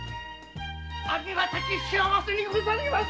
ありがたき幸せにございます！